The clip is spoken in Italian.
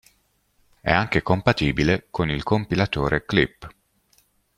È anche compatibile con il compilatore "Clip".